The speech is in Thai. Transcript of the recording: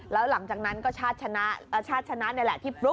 แล้วหลังจากนั้นก็ชาดชนะชาดชนะนั่นแหละ